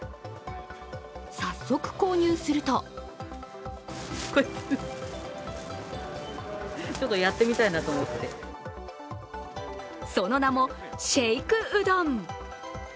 早速購入するとその名もシェイクうどん。